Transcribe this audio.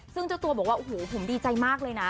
ซึ่งเจ้าตัวบอกว่าโอ้โหผมดีใจมากเลยนะ